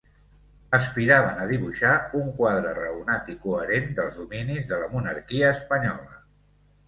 Aspiraven a dibuixar un quadre raonat i coherent dels dominis de la monarquia espanyola.